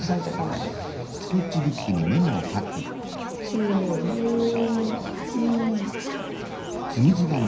つむじ。